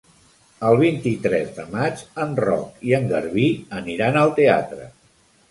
El vint-i-tres de maig en Roc i en Garbí aniran al teatre.